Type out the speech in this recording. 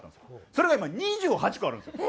それが今２８個あるんですよ。